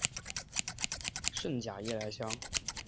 滇假夜来香